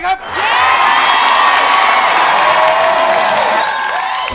ได้ครับ